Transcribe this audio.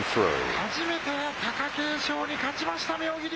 初めて貴景勝に勝ちました、妙義龍。